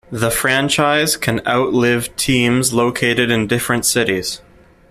The franchise can out-live teams located in different cities.